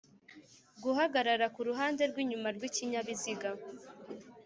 guhagarara ku ruhande rw'inyuma rw'ikinyabiziga.